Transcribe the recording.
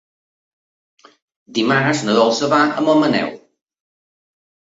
Dimarts na Dolça va a Montmaneu.